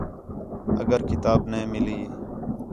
اگر کتاب نے مِلی